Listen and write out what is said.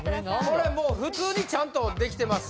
これもう普通にちゃんとできてます